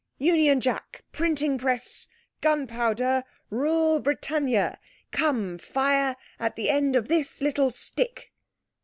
Union Jack, Printing Press, Gunpowder, Rule Britannia! Come, Fire, at the end of this little stick!"